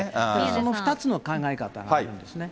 その２つの考え方がありますね。